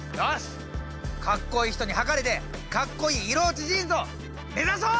かっこいい人にはかれてかっこいい色落ちジーンズを目指そう！